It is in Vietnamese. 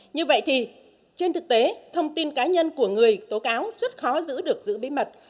như vậy thì trên thực tế thông tin cá nhân của người tố cáo rất khó giữ được giữ bí mật